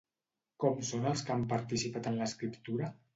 Com són els que han participat en l'escriptura?